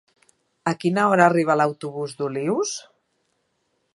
A quina hora arriba l'autobús d'Olius?